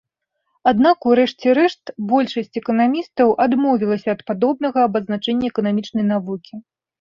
Аднак, у рэшце рэшт, большасць эканамістаў адмовілася ад падобнага абазначэння эканамічнай навукі.